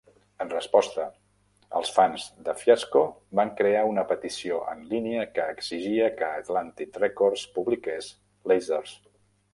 En resposta, els fans de Fiasco van crear una petició en línia que exigia que Atlantic Records publiqués "Lasers".